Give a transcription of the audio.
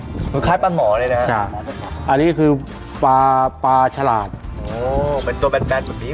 เหมือนคล้ายปลาหมอเลยนะฮะอันนี้คือปลาปลาฉลาดเป็นตัวแบนแบบนี้